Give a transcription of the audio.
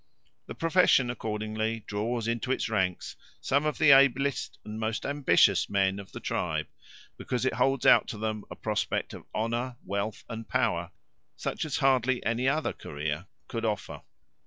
The profession accordingly draws into its ranks some of the ablest and most ambitious men of the tribe, because it holds out to them a prospect of honour, wealth, and power such as hardly any other career could offer.